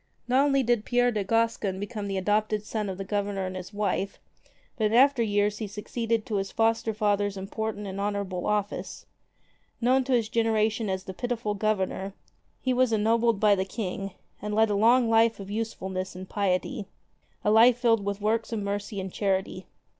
Not only did Pierre de Gascon become the adopted son of the Governor and his wife, but in after years he succeeded to his foster father's important and honorable office. Known to his generation as the Pitiful Governor, he was ennobled by the King, and led a long life of usefulness and piety, a life filled with works of mercy and charity.